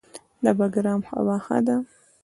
د بګرام هوا ښه ده